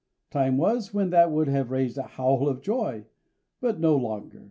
Time was when that would have raised a howl of joy, but no longer.